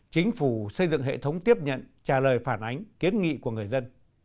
chính phủ xây dựng hệ thống tiếp nhận trả lời phản ánh kiến nghị của người dân